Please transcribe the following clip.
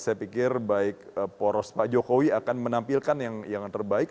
saya pikir baik poros pak jokowi akan menampilkan yang terbaik